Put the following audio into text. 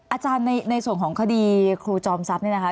อาจารย์ในส่วนของคดีครูจอมทรัพย์เนี่ยนะคะ